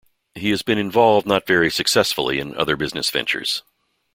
He has been involved not very successfully in other business ventures.